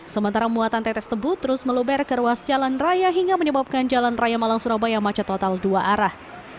sementara muatan tetes tebu terus meluber ke ruas jalan raya hingga menyebabkan jalan raya malang surabaya macet total dua arah